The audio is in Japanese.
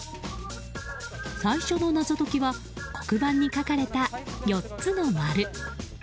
最初の謎解きは黒板に描かれた４つの丸。